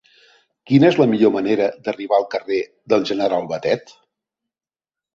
Quina és la millor manera d'arribar al carrer del General Batet?